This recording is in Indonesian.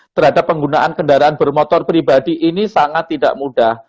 terhadap penggunaan kendaraan bermotor pribadi ini sangat tidak mudah